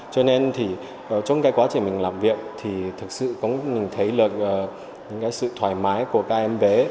cho nên thì trong cái quá trình mình làm việc thì thực sự mình thấy được những cái sự thoải mái của các em bé